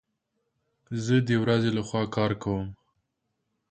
زه د ورځي لخوا کار کوم